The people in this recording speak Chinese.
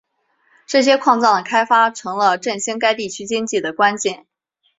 这些矿藏的开发成了振兴该地区经济的关键。